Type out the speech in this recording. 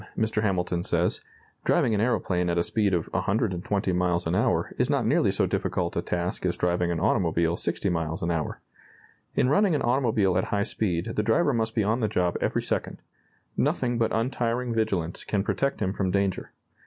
] At the same time, Mr. Hamilton says: "Driving an aeroplane at a speed of 120 miles an hour is not nearly so difficult a task as driving an automobile 60 miles an hour. In running an automobile at high speed the driver must be on the job every second. Nothing but untiring vigilance can protect him from danger.